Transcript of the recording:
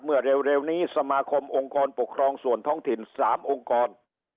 เมื่อเร็วนี้สมาคมองค์กรปกครองส่วนท้องถิ่น๓องค์กร